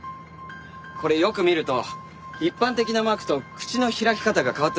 これよく見ると一般的なマークと口の開き方が変わってます。